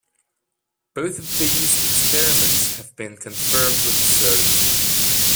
Both of these experiments have been confirmed with certainty.